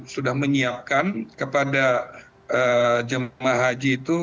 sudah menyiapkan kepada jemaah haji itu